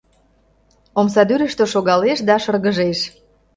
Омсадӱрыштӧ шогалеш да шыр-гы-жеш!